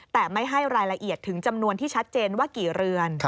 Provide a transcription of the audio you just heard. แต่ไม่ให้รายละเอียดถึงจำนวนที่ชัดเจนว่ากี่เรือน